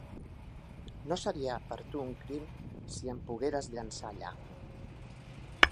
No seria per a tu un crim si em pogueres llançar allà.